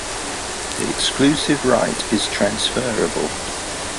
The exclusive right is transferable.